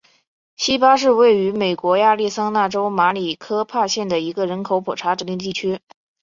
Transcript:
锡巴是位于美国亚利桑那州马里科帕县的一个人口普查指定地区。